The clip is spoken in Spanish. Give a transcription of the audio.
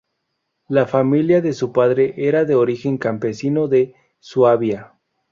La familia de su padre era de origen campesino de Suabia.